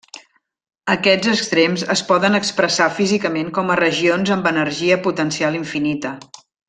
Aquests extrems es poden expressar físicament com a regions amb energia potencial infinita.